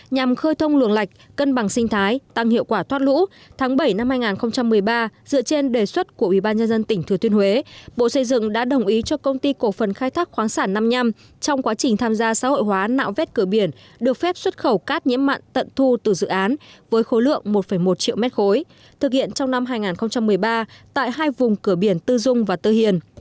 nhàm khơi thông luồng lạch cân bằng sinh thái tăng hiệu quả thoát lũ tháng bảy năm hai nghìn một mươi ba dựa trên đề xuất của ủy ban nhân dân tỉnh tư thiên huế bộ xây dựng đã đồng ý cho công ty cổ phần khai thác khoáng sản năm liem trong quá trình tham gia xã hội hóa nạo vét cửa biển được phép xuất khẩu cát nhiễm mặn tận thu từ dự án với khối lượng một một triệu mét khối thực hiện trong năm hai nghìn một mươi ba tại hai vùng cửa biển tư dung và tư hiền